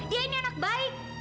dia ini anak baik